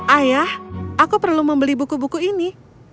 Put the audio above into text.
ayah aku perlu membeli buku buku ini